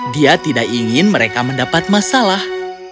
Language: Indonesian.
dia tidak ingin mereka mendapat masalah